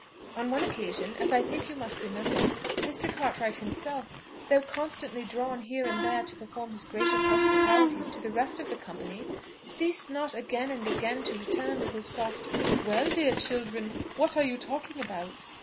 On one occasion, as I think you must remember, Mr. Cartwright himself, though constantly drawn here and there to perform his gracious hospitalities to the rest of the company, ceased not again and again to return with his soft "Well, dear children! what are you talking about?"